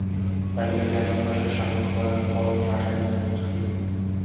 তাই বলে ব্যাকরণ ভাষাকে শাসন করে না, বরং ভাষাই ব্যাকরণকে শাসন করে।